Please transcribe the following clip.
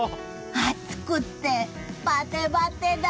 暑くってバテバテだ。